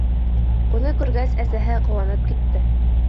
Уны күргәс, әсәһе ҡыуанып китте: